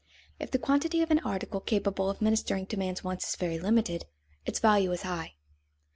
_ If the quantity of an article capable of ministering to man's wants is very limited, its value is high.